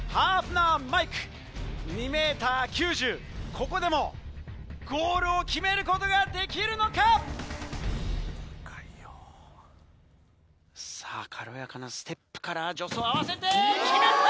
ここでもゴールを決めることができるのか⁉さぁ軽やかなステップから助走合わせて決めた！